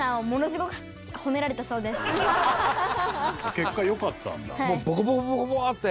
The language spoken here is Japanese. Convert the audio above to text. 結果良かったんだ。